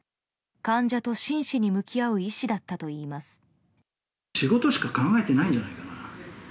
患者と真摯に向き合う医師だったといいます。